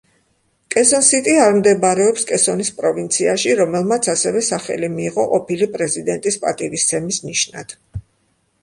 კესონ-სიტი არ მდებარეობს კესონის პროვინციაში, რომელმაც ასევე სახელი მიიღო ყოფილი პრეზიდენტის პატივისცემის ნიშნად.